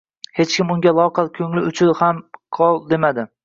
Hech kim unga loaqal ko`ngil uchun ham qol demadi